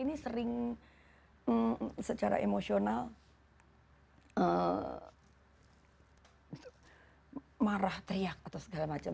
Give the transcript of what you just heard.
ini sering secara emosional marah teriak atau segala macam